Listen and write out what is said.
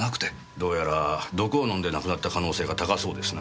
どうやら毒を飲んで亡くなった可能性が高そうですな。